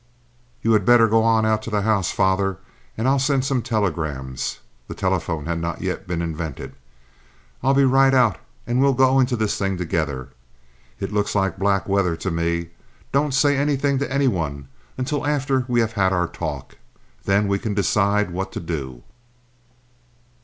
"You had better go on out to the house, father, and I'll send some telegrams." (The telephone had not yet been invented.) "I'll be right out and we'll go into this thing together. It looks like black weather to me. Don't say anything to any one until after we have had our talk; then we can decide what to do."